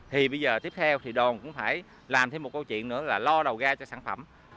thì bây giờ tiếp theo thì đoàn cũng phải làm thêm một câu chuyện nữa là lo đầu ra cho sản phẩm